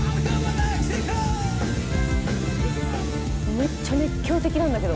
めっちゃ熱狂的なんだけど。